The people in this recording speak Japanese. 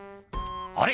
「あれ？